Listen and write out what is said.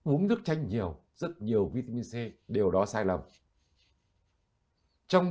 uống nước chanh nhiều rất nhiều vitamin c điều đó sai lầm